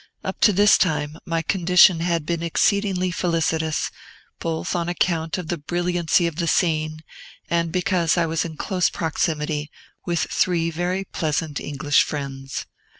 Up to this time, my condition had been exceedingly felicitous, both on account of the brilliancy of the scene, and because I was in close proximity with three very pleasant English friends.